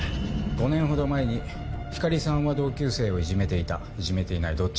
５年ほど前に光莉さんは同級生をいじめていたいじめていないどっち？